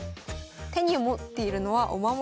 手に持っているのはお守り。